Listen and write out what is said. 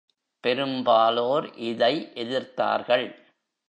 பெரும்பாலோர் இதை எதிர்த்தார்கள்.